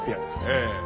ええ。